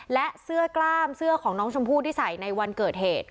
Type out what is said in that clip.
และเสื้อกล้ามเสื้อของน้องชมพู่ที่ใส่ในวันเกิดเหตุ